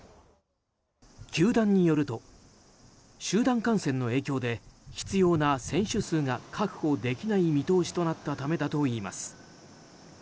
球団によると集団感染の影響で必要な選手数が確保できない見通しになったためだといいます。